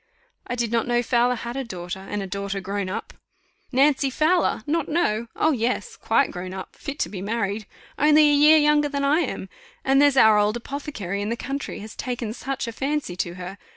"I did not know Fowler had a daughter, and a daughter grown up." "Nancy Fowler! not know! Oh! yes, quite grown up, fit to be married only a year younger than I am. And there's our old apothecary in the country has taken such a fancy to her!